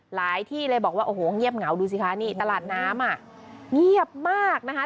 ที่เลยบอกว่าโอ้โหเงียบเหงาดูสิคะนี่ตลาดน้ำอ่ะเงียบมากนะคะ